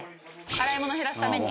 洗い物を減らすために。